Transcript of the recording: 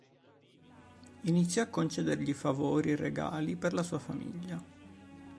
Iniziò a concedergli favori e regali per la sua famiglia.